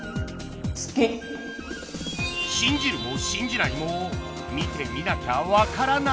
信じるも信じないも見てみなきゃわからない！